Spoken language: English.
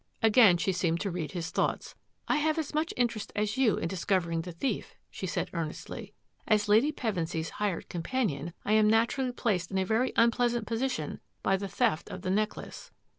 Again she seemed to read his thoughts. " I have as much interest as you in discovering the thief," she said earnestly. " As Lady Pevensy's hired companion, I am naturally placed in a very un pleasant position by the theft of the necklace."